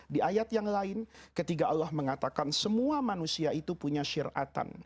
di ayat yang lain ketika allah mengatakan semua manusia itu punya syiratan